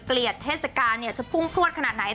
เกลียดเทศกาลจะพุ่งพลวดขนาดไหน